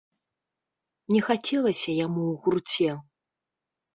Не хацелася яму ў гурце.